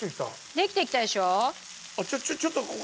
できてきたでしょ？